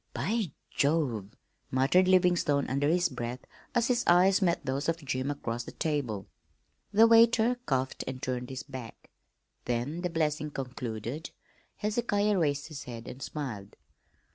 "By Jove!" muttered Livingstone under his breath, as his eyes met those of Jim across the table. The waiter coughed and turned his back. Then, the blessing concluded, Hezekiah raised his head and smiled.